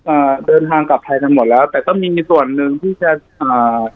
อ่าเดินทางกลับไทยกันหมดแล้วแต่ก็มีมีส่วนหนึ่งที่จะอ่า